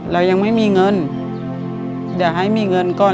เรายังไม่มีเงินอยากให้มีเงินก่อน